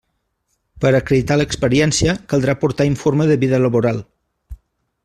Per acreditar l'experiència caldrà aportar informe de vida laboral.